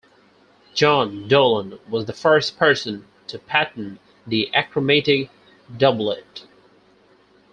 John Dollond was the first person to patent the achromatic doublet.